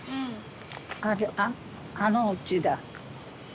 あれあっあのうちだ。